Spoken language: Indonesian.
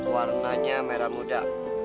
warnanya merah muda